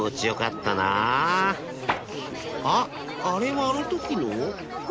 あっあれはあのときの？